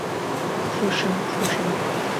附生出身。